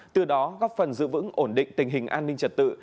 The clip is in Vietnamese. từ đó góp phần giữ vững ổn định tình hình an ninh trật tự